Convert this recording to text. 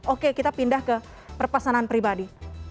oke kita pindah ke perpesanan pribadi